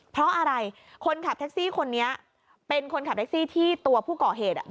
เพราะอะไรคนขับแท็กซี่คนนี้เป็นคนขับแท็กซี่ที่ตัวผู้ก่อเหตุ